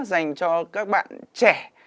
dành cho các bạn trẻ